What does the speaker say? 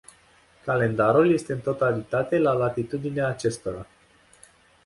Calendarul este în totalitate la latitudinea acestora.